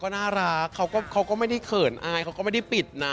ก็น่ารักเขาก็ไม่ได้เขินอายเขาก็ไม่ได้ปิดนะ